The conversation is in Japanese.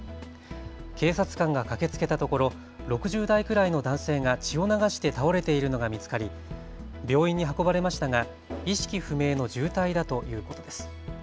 警察官が駆けつけたところ６０代くらいの男性が血を流して倒れているのが見つかり病院に運ばれましたが意識不明の重体だということです。